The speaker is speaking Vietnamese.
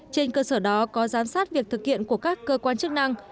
trên cơ sở đó có giám sát việc thực hiện của các cơ quan chức năng